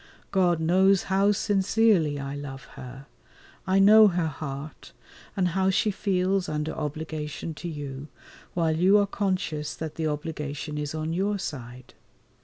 God knows how sincerely I love her; I know her heart and how she feels under obligation to you, while you are conscious that the obligation is on your side.